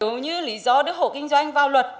nếu như lý do đưa hộ kinh doanh vào luật